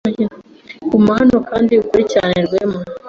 Guma hano kandi ukurikirane Rwema.